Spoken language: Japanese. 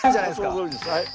そのとおりですはい。